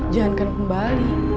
jangan kan kembali